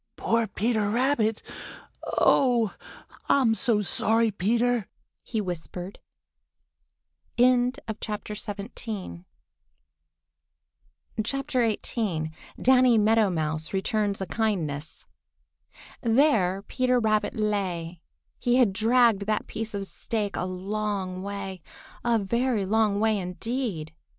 "Poor Peter Rabbit! Oh, I'm so sorry, Peter!" he whispered. XVIII DANNY MEADOW MOUSE RETURNS A KINDNESS THERE Peter Rabbit lay. He had dragged that piece of stake a long way, a very long way, indeed.